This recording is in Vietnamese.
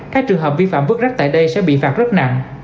các trường hợp vi phạm vứt rác tại đây sẽ bị phạt rất nặng